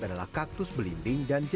adalah kaktus belinding dan kaktus